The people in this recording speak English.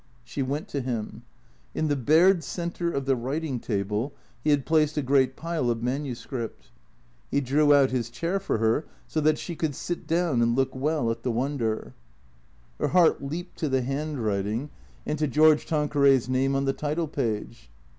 She went to him. In the bared centre of the writing table he had placed a great pile of manuscript. He drew out his chair for her, so that she could sit down and look well at the wonder. THE CREATORS 161 Her heart leaped to the handwriting and to George Tan queray's name on the title page.